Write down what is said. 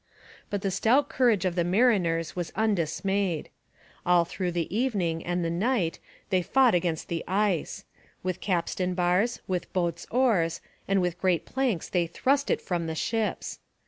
But the stout courage of the mariners was undismayed. All through the evening and the night they fought against the ice: with capstan bars, with boats' oars, and with great planks they thrust it from the ships.